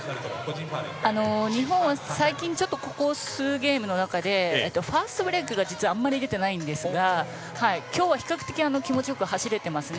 日本は最近ここ数ゲームの中でファーストブレークがあまり出てないんですが今日は比較的気持ち良く走れていますね。